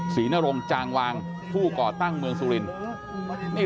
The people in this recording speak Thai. นรงจางวางผู้ก่อตั้งเมืองสุรินทร์